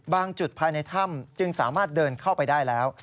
จุดภายในถ้ำจึงสามารถเดินเข้าไปได้แล้ว